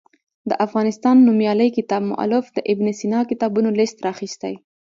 د افغانستان نومیالي کتاب مولف د ابن سینا کتابونو لست راخیستی.